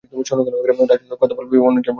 তার সাথে কথা বলব, অন্য একজন বলল, তাকে ছেড়ে দাও।